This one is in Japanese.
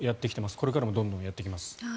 これからもどんどんやってきます。